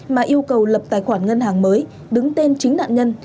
mà yêu cầu lập tài khoản ngân hàng mới đứng tên chính nạn nhân